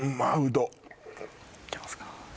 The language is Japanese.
いけますか？